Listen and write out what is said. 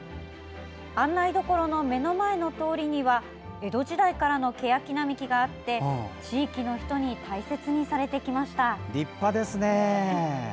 案内処の目の前の通りには江戸時代からのけやき並木があって地域の人に大切にされてきました。